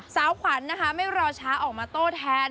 สาวขวัญนะคะไม่รอช้าออกมาโต้แทน